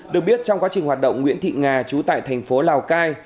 được biết trong quá trình hoạt động nguyễn thị nga chú tại thành phố lào cai